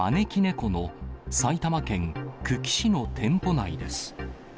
この埼玉県久喜市の店舗内です。